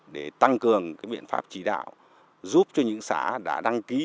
để tăng cường biện pháp chỉ đạo giúp cho những xã đã đăng ký